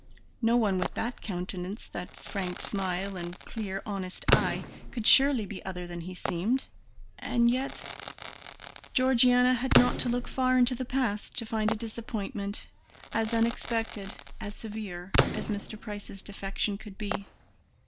No one with that countenance, that frank smile and clear honest eye could surely be other than he seemed, and yet Georgiana had not to look far into the past to find a disappointment, as unexpected, as severe, as Mr. Price's defection could be.